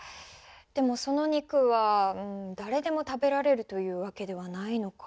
でもその肉はだれでも食べられるというわけではないのか。